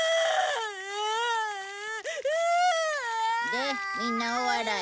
でみんな大笑い。